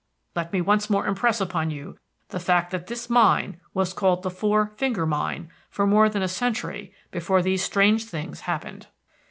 Let me once more impress upon you the fact that this mine was called the Four Finger Mine for more than a century before these strange things happened."